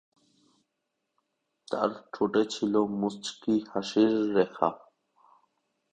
তার ঠোঁটে ছিল মুচকি হাসির রেখা।